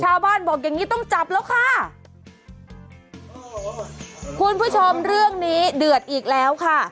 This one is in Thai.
ชาวบ้านบอกอย่างงี้ต้องจับแล้วค่ะคุณผู้ชมเรื่องนี้เดือดอีกแล้วค่ะ